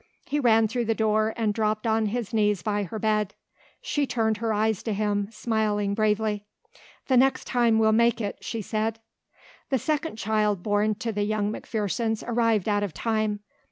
He ran through the door and dropped on his knees by her bed. She turned her eyes to him smiling bravely. "The next time we'll make it," she said. The second child born to the young McPhersons arrived out of time.